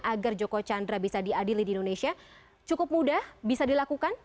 agar joko chandra bisa diadili di indonesia cukup mudah bisa dilakukan